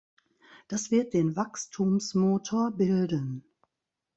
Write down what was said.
Das wird den Wachstumsmotor bilden.